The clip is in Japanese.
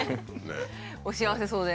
お幸せそうで。